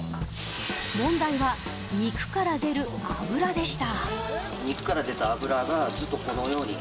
問題は肉から出る脂でした。